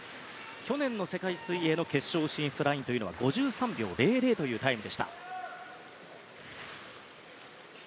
去年の世界水泳決勝進出ラインは５３秒００というタイム。